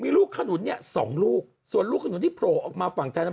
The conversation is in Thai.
มีลูกขนุนเนี่ยสองลูกส่วนลูกขนุนที่โผล่ออกมาฝั่งไทยนั้น